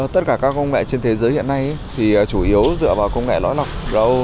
tất cả các công nghệ trên thế giới hiện nay chủ yếu dựa vào công nghệ lõi lọc râu